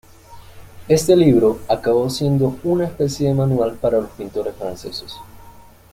Este libro acabó siendo una especie de manual para los pintores franceses.